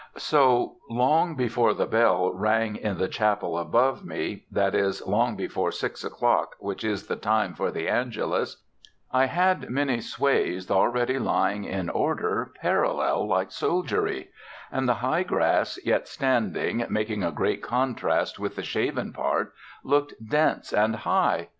So, long before the bell rang in the chapel above me that is, long before six o'clock, which is the time for the Angelus I had many swathes already lying in order parallel like soldiery; and the high grass yet standing, making a great contrast with the shaven part, looked dense and high.